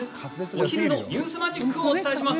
お昼のニュースマジックをお伝えします。